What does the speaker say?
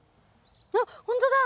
あっほんとだ！